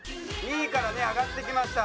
２位からね上がってきました。